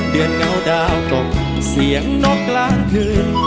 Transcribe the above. เดือนเงาดาวตกเสียงนกกลางคืน